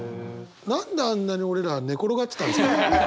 何であんなに俺ら寝転がってたんですかね？